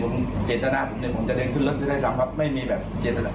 ผมเจตนาผมเนี่ยผมจะเดินขึ้นรถซะด้วยซ้ำครับไม่มีแบบเจตนา